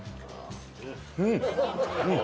うん！